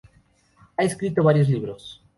Ha escrito varios libros.